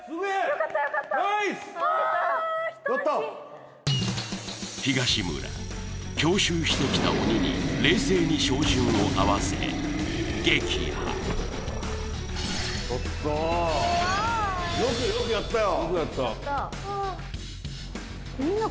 よかったよかったあ一安心東村強襲してきた鬼に冷静に照準を合わせ撃破・怖いよくやったよ・